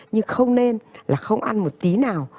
nhưng không nên là không ăn một tí nào